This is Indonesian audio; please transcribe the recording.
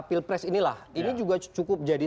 pilpres inilah ini juga cukup jadi